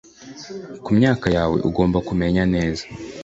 Ku myaka yawe ugomba kumenya neza.